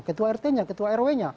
ketua rt nya ketua rw nya